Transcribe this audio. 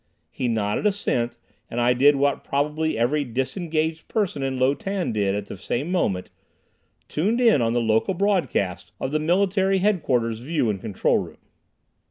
He nodded assent, and I did what probably every disengaged person in Lo Tan did at the same moment, tuned in on the local broadcast of the Military Headquarters View and Control Room.